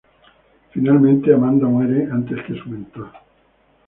Finalmente Amanda muere, antes que su mentor.